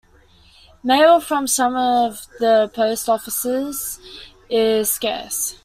Mail from some of the post offices is scarce.